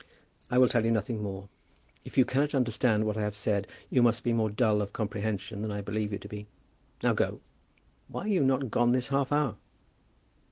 "I will tell you nothing more. If you cannot understand what I have said, you must be more dull of comprehension than I believe you to be. Now go. Why are you not gone this half hour?"